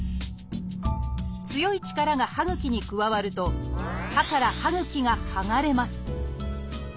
強い力が歯ぐきに加わると歯から歯ぐきが剥がれます。